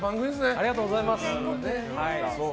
ありがとうございます。